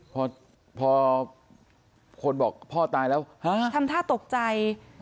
พอพอคนบอกพ่อตายแล้วทำท่าตกใจ